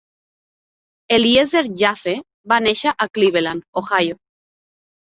Eliezer Jaffe va néixer a Cleveland Ohio.